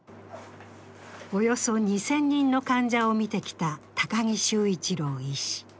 およそ２０００人の患者を診てきた高木洲一郎医師。